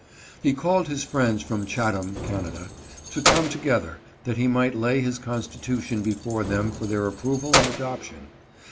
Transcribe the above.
He called his friends from Chatham (Canada) to come together, that he might lay his constitution before them for their approval and adoption.